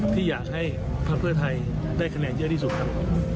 ที่อยากให้ภักดิ์เพื่อไทยได้คะแนนเยอะที่สุดครับ